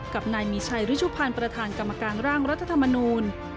กับนายมีชัยรุชุพันธ์ประธานกรรมการร่างรัฐธรรมนูล